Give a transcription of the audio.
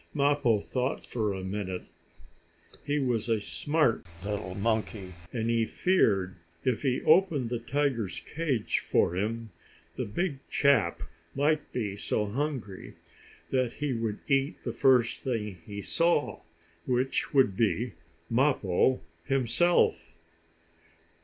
Mappo thought for a minute. He was a smart little monkey, and he feared if he opened the tiger's cage for him, the big chap might be so hungry that he would eat the first thing he saw, which would be Mappo himself.